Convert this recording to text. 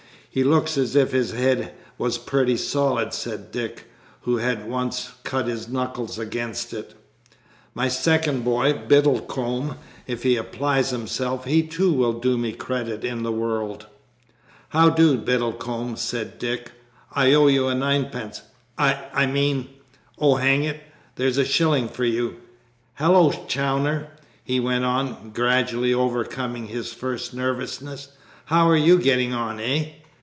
"He looks as if his head was pretty solid," said Dick, who had once cut his knuckles against it. "My second boy, Biddlecomb. If he applies himself, he too will do me credit in the world." "How do, Biddlecomb?" said Dick. "I owe you ninepence I mean oh hang it, here's a shilling for you! Hallo, Chawner!" he went on, gradually overcoming his first nervousness, "how are you getting on, eh?